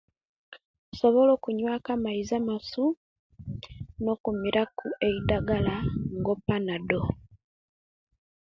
Insobola okunyaku amaizi amasu no okumiraku eyidagala nga panadol